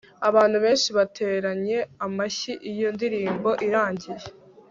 abantu benshi bateranye amashyi iyo ndirimbo irangiye